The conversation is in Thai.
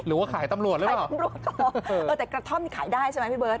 หรือว่าขายตำรวจหรือเปล่าเออแต่กระท่อมนี่ขายได้ใช่ไหมพี่เบิร์